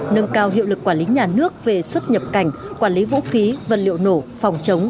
nâng cao hiệu lực quản lý nhà nước về xuất nhập cảnh quản lý vũ khí vật liệu nổ phòng chống